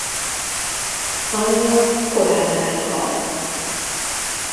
Anyja korán meghalt.